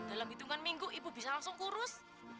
dalam hitungan minggu ibu bisa langsung kurus